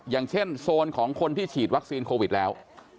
อย่างเช่นโซนของคนที่ฉีดวัคซีนโควิดแล้ว